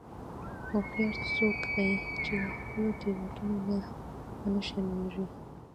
هوښیار څوک دی چې له خپلو تېروتنو نه و نه شرمیږي.